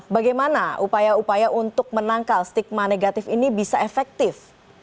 bagaimana upaya upaya untuk menangkal stigma negatif ini bisa efektif